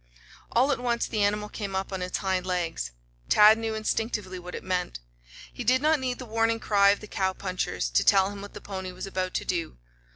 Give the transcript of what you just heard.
All at once the animal came up on its hind legs. Tad knew instinctively what it meant. He did not need the warning cry of the cowpunchers to tell him what the pony was about to do.